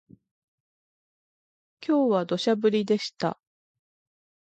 今日は土砂降りでした